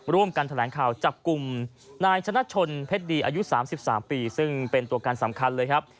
ร่วมกันแถลงข่าวจับกลุ่มนายชนะชนเพชรดีอายุ๓๓ปีซึ่งเป็นตัวการสำคัญเลยครับ